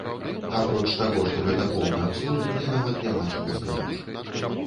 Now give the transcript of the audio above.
Апроч таго, што гэта поўны абсурд мне нават няма чаго сказаць.